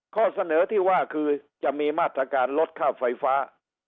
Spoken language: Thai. ข้อเสนอที่ว่าคือจะมีมาตรการลดค่าไฟฟ้า